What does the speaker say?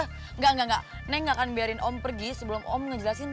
enggak enggak neng gak akan biarin om pergi sebelum om ngejelasin